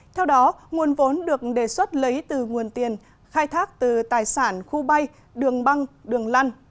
theo đó nguồn vốn được đề xuất lấy từ nguồn tiền khai thác từ tài sản khu bay đường băng đường lăn